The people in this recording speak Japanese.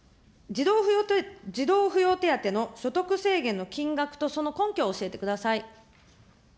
児童扶養手当の所得制限の金額と、その根拠を教えてください。